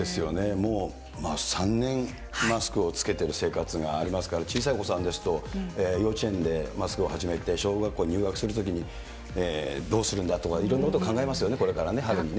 もう３年マスクを着けてる生活がありますから、小さいお子さんですと、幼稚園でマスクを始めて、小学校入学するときにどうするんだとか、いろんなことを考えますよね、これから、春にね。